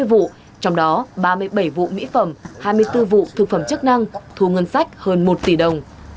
buôn lậu mỹ phẩm thực phẩm chức năng thu ngân sách hơn một tỷ đồng